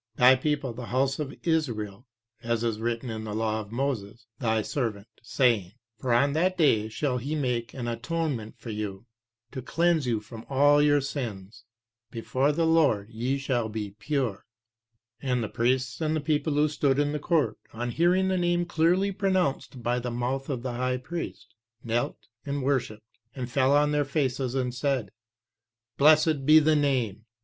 Thy people the house of Israel, as is written in the law of Moses Thy servant, saying, 'For on that day shall he make an atonement for you to cleanse you from all your sins; before the LORD ye shall be pure.' 3 And the priests and the people who stood in the court, on hearing the Name clearly pronounced by the mouth of the High Priest, knelt and worshipped, and fell on their faces and said, 'BLESSED BE THE NAME.